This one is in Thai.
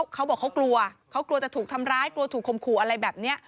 เขากลัวจะถูกทำร้ายกลัวถูกคมขู่อะไรแบบนี้